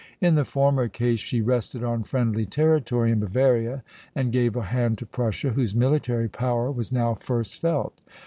In the former case she rested on friendly territory in Bavaria, and gave a hand to Prussia, whose military power was now first felt.